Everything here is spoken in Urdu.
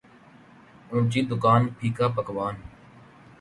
اونچی دکان پھیکا پکوان